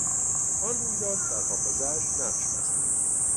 آن رویداد در حافظهاش نقش بسته بود.